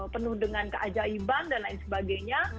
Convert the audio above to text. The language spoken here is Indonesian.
penuh dengan keajaiban dan lain sebagainya